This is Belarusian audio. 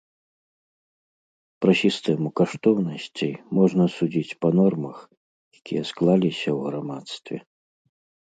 Пра сістэму каштоўнасцей можна судзіць па нормах, якія склаліся ў грамадстве.